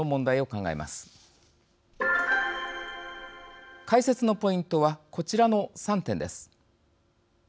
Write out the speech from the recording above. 解説のポイントはこちらの３点です。